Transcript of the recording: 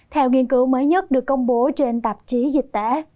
theo nghiên cứu mới nhất được công bố trên tạp chí dịch tễ